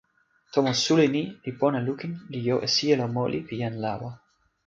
tomo suli ni pi pona lukin li jo e sijelo moli pi jan lawa.